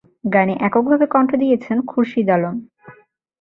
গানে এককভাবে কণ্ঠ দিয়েছেন খুরশিদ আলম।